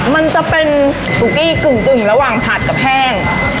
มันจะเป็นตุ๊กกี้กึ่งระหว่างผัดกับแห้ง